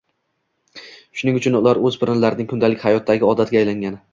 shuning uchun ular o‘spirinlarning kundalik hayotdagi odatiga aylangan.